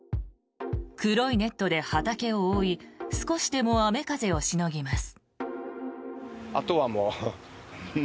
黒いネットで畑を覆い少しでも雨風をしのぎます。